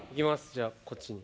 じゃあこっちに。